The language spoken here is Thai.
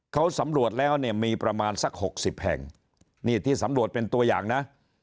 เขาสำรวจแล้วเนี่ยมีประมาณสักหกสิบแห่งนี่ที่สำรวจเป็นตัวอย่างนะ